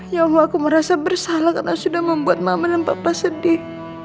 ya allah aku merasa bersalah karena sudah membuat mama dan papa sedih